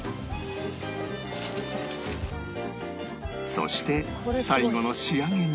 そして最後の仕上げに